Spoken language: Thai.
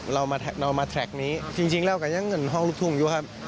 เรามาแทรกนี้จริงแล้วก็ยังเงินห้องลูกทุ่งอยู่ครับ